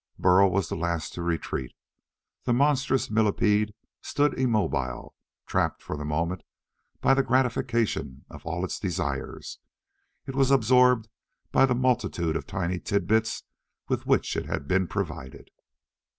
Burl was the last to retreat. The monstrous millipede stood immobile, trapped for the moment by the gratification of all its desires. It was absorbed by the multitude of tiny tidbits with which it had been provided.